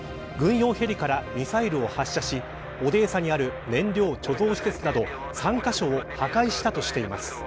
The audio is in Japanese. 軍用ヘリからミサイルを発射しオデーサにある燃料貯蔵施設など３カ所を破壊したとしています。